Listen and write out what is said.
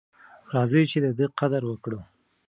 راځئ چې د ده قدر وکړو.